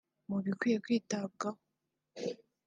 Mu bikwiye kwitabwaho